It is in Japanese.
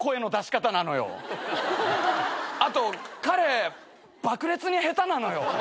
あと彼爆裂に下手なのよ。